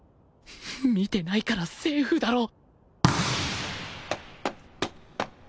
見てないからセーフだろ